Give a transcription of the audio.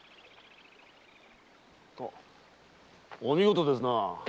お見事ですな。